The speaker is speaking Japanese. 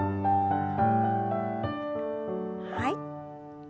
はい。